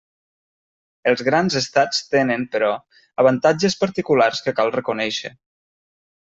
Els grans estats tenen, però, avantatges particulars que cal reconèixer.